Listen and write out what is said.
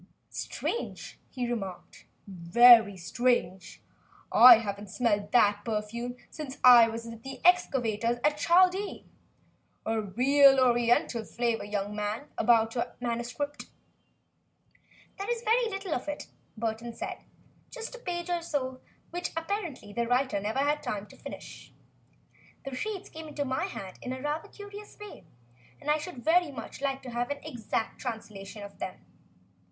"Strange," he remarked, "very strange. I haven't smelt that perfume since I was with the excavators at Chaldea. A real Oriental flavor, young man, about your manuscript." "There is very little of it," Burton said, "just a page or so which apparently the writer never had time to finish. The sheets came into my hands in rather a curious way, and I should very much like to have an exact translation of them.